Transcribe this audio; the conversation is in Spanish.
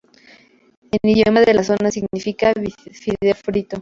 En idioma de la zona significa fideo frito.